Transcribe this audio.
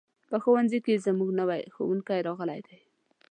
په ښوونځي کې زموږ نوی ښوونکی راغلی دی.